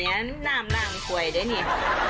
อันนี้หน้ามร่างสวยด้วยเนี่ย